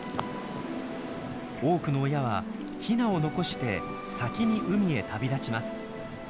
多くの親はヒナを残して先に海へ旅立ちます。